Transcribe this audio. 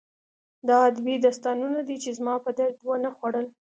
دا ادبي داستانونه دي چې زما په درد ونه خوړل